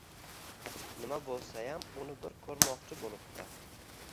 nima boʻlsayam uni bir koʻrmoqchi boʻlibdi